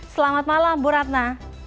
selamat malam bu ratna